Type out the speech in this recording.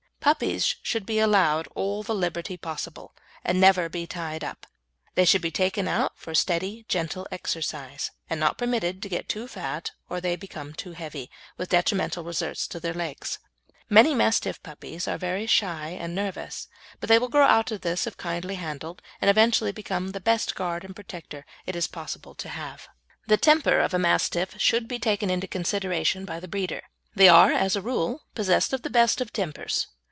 Puppies should be allowed all the liberty possible, and never be tied up: they should be taken out for steady, gentle exercise, and not permitted to get too fat or they become too heavy, with detrimental results to their legs. Many Mastiff puppies are very shy and nervous, but they will grow out of this if kindly handled, and eventually become the best guard and protector it is possible to have. The temper of a Mastiff should be taken into consideration by the breeder. They are, as a rule, possessed of the best of tempers.